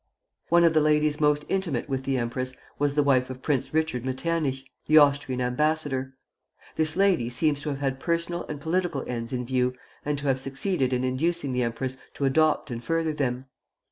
One of the ladies most intimate with the empress was the wife of Prince Richard Metternich, the Austrian ambassador. This lady seems to have had personal and political ends in view, and to have succeeded in inducing the empress to adopt and further them.